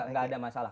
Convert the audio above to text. nggak ada masalah